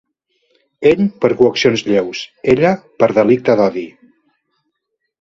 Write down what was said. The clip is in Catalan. Ell, per ‘coaccions lleus’, ella, per delicte d’odi.